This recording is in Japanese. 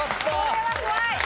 これは怖い。